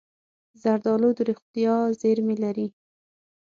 زردالو د روغتیا زېرمې لري.